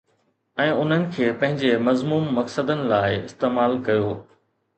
۽ انهن کي پنهنجي مذموم مقصدن لاءِ استعمال ڪيو